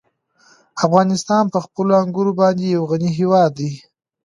افغانستان په خپلو انګورو باندې یو غني هېواد دی.